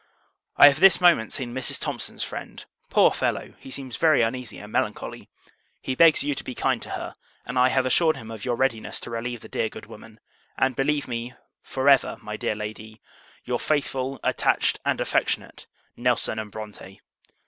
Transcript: I have this moment seen Mrs. Thomson's friend. Poor fellow! he seems very uneasy and melancholy. He begs you to be kind to her; and I have assured him of your readiness to relieve the dear good woman: and believe me, for ever, my dear Lady, your faithful, attached, and affectionate, NELSON & BRONTE.